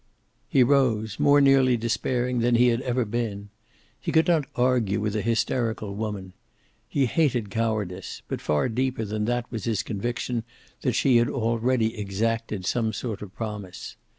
He rose, more nearly despairing than he had ever been. He could not argue with a hysterical woman. He hated cowardice, but far deeper than that was his conviction that she had already exacted some sort of promise.